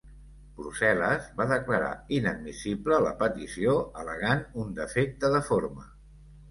Brussel·les va declarar inadmissible la petició al·legant un defecte de forma.